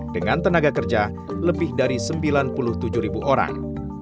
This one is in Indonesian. dengan tenaga kerja lebih dari sembilan puluh tujuh ribu orang